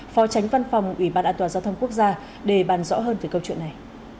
phó tránh văn phòng ủy ban an toàn giao thông quốc gia để bàn rõ hơn về câu chuyện này